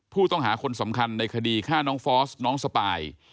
ผู้ต้องหาคนสำคัญในคดีฆ่าน้องฟอสน้องสปาย